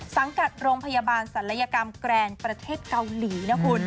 สังกัดโรงพยาบาลศัลยกรรมแกรนด์ประเทศเกาหลีนะคุณ